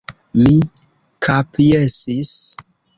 Mi kapjesis.